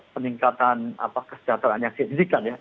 peningkatan kesejahteraan yang signifikan ya